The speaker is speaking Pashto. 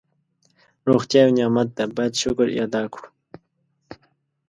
روغتیا یو نعمت ده باید شکر یې ادا کړو.